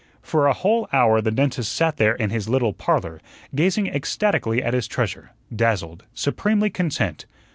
For a whole hour the dentist sat there in his little "Parlor," gazing ecstatically at his treasure, dazzled, supremely content.